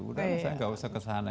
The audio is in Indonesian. udah saya gak usah kesana